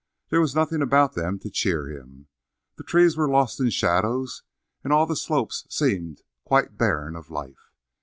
There was nothing about them to cheer him. The trees were lost in shadows and all the slopes seemed quite barren of life.